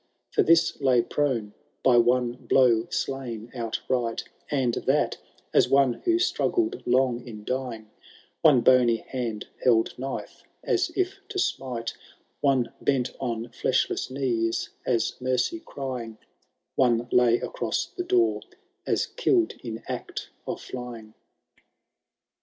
For this lay prone, by one blow slain outright ; And that, as one who struggled long in dying ; One bony hand held knife, as if to smite ; One bent on fleshless knees, as mercy crying ; One lay across the door, as kill*d in act of flying.